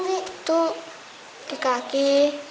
itu di kaki